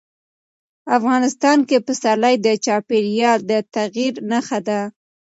افغانستان کې پسرلی د چاپېریال د تغیر نښه ده.